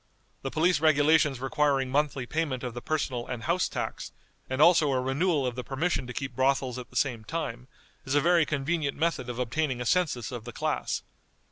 The police regulations requiring monthly payment of the personal and house tax, and also a renewal of the permission to keep brothels at the same time, is a very convenient method of obtaining a census of the class.